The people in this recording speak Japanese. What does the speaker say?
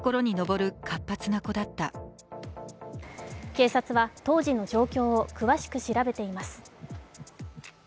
警察は当時の状況を詳しく調べています。